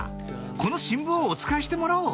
この新聞をおつかいしてもらおう」